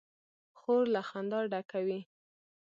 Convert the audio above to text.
خور له خندا ډکه وي.